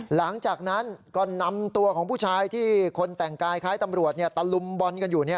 หลังจากนั้นก็นำตัวของผู้ชายที่คนแต่งกายคล้ายตำรวจตะลุมบอลกันอยู่